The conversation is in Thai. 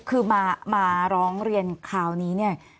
คือมาร้องเรียนคราวนี้เนี่ย